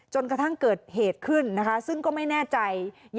จนกระทั่งเกิดเหตุขึ้นนะคะซึ่งก็ไม่แน่ใจ